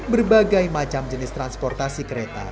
berbagai macam jenis transportasi kereta